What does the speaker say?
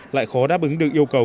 lại khó đáp ứng được yêu cầu